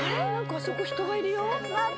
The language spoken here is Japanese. あそこ人がいるよ。